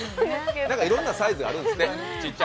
いろんなサイズがあるんですって。